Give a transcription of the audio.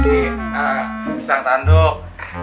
ini pisang tanduk